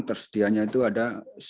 tersedianya itu ada sepuluh